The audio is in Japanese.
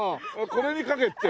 これに書けって？